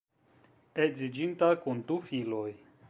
Edziĝinta kun du filoj.